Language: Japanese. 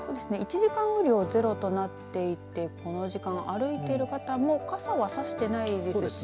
１時間雨量は０となっていてこの時間、歩いている方も傘はさしていないですし。